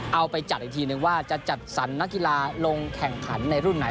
เอาไปจัดอีกทีนึงว่าจะจัดสรรนักกีฬาลงแข่งขันในรุ่นไหน